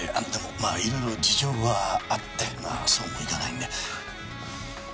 まあいろいろ事情があってまあそうもいかないんで。